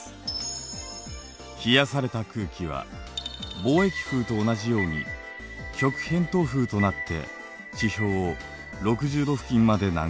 冷やされた空気は貿易風と同じように極偏東風となって地表を６０度付近まで南下。